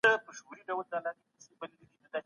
د داستاني ادبیاتو ارزښت به نور هم زیات سي.